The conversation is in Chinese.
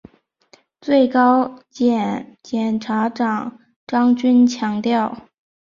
最高检检察长张军强调